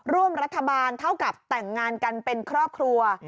ร่วมรัฐบาลเท่ากับแต่งงานกันเป็นครอบครัว